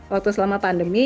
waktu selama pandemi